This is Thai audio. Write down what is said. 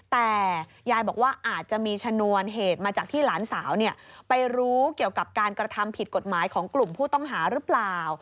แต่ยายบอกว่าอาจจะมีชนวนเหตุมาจากที่หลานสาวไปรู้เกี่ยวกับการกระทำผิดกฎหมายของกลุ่มผู้ต้องหาหรือเปล่า